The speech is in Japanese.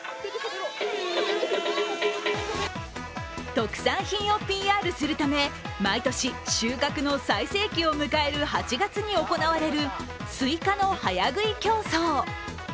特産品をＰＲするため毎年収穫の最盛期を迎える８月に行われるスイカの早食い競争。